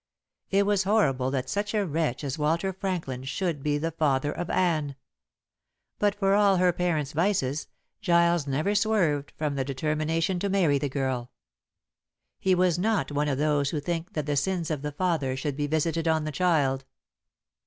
It was horrible that such a wretch as Walter Franklin should be the father of Anne. But for all her parent's vices, Giles never swerved from the determination to marry the girl. He was not one of those who think that the sins of the father should be visited on the child.